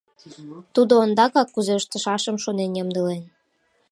Тудо ондакак кузе ыштышашым шонен ямдылен.